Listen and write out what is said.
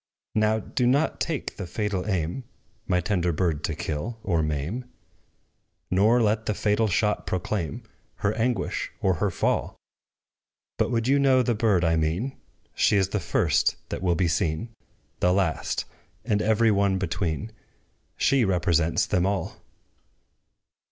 Now do not take the fatal aim, My tender bird to kill, or maim; Nor let the fatal shot proclaim Her anguish, or her fall! But, would you know the bird I mean, She is the first that will be seen The last and every one between: She represents them all!